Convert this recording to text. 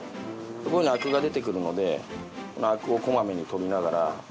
こういうふうにアクが出てくるのでこのアクをこまめに取りながら。